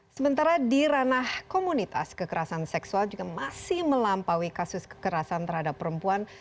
sementara di ranah komunitas kekerasan seksual juga masih melampaui kasus kekerasan terhadap perempuan